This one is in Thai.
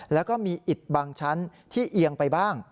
แล้วก็มีอิดบางชั้นที่เอียงไปบ้าง